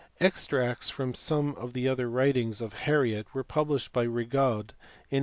Extracts from some of the other writings of Harriot were published by Rigaud in 1833.